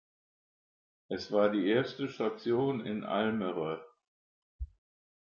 Es war die erste Station in Almere.